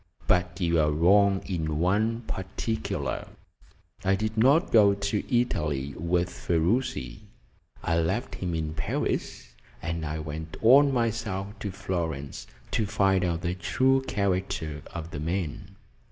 But you are wrong in one particular. I did not go to Italy with Ferruci I left him in Paris, and I went on myself to Florence to find out the true character of the man."